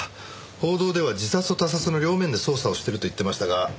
報道では自殺と他殺の両面で捜査をしてると言ってましたが。